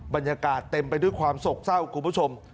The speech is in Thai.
บรรยากาศเต็มไปด้วยความโศกเศร้าคุณผู้ชม